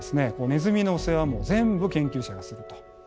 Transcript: ネズミの世話も全部研究者がすると。